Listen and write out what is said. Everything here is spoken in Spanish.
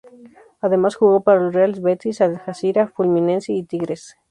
Además jugó para el Real Betis, Al-Jazira, Fluminense y Tigres.